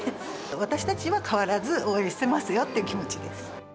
私たちは変わらず応援してますよっていう気持ちです。